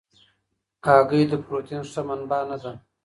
هګۍ د پروټین ښه منبع نه ده.